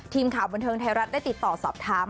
ทีมข่าวบันเทิงไทยรัฐได้ติดต่อสอบถาม